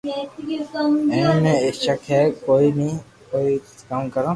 اي مي ݾڪ ھي ڪوئي ني ڪو سھي ڪاو